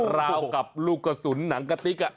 ราวกับลูกกระสุนหนังกะติ๊ก